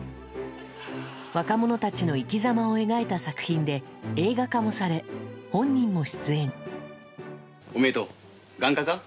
若者たちの生き様を描いた作品で映画化もされ本人も出演。